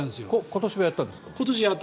今年はやったんです。